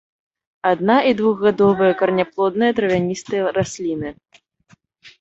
Адна- і двухгадовыя караняплодныя травяністыя расліны.